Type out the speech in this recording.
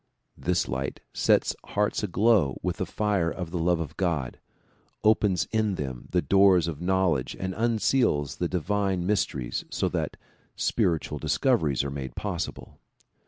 This light sets hearts aglow with the fire of the love of God, opens in them the doors of knowledge and unseals the divine mysteries so that spiritual discoveries are made possible.